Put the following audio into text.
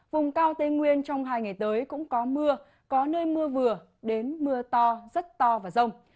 vùng cao tây nguyên trong hai ngày tới cũng có mưa có nơi mưa vừa đến mưa to rất to và rông